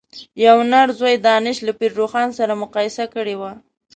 یوه نر ځوی دانش له پير روښان سره مقايسه کړی و.